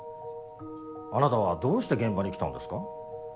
あなたはどうして現場に来たんですか？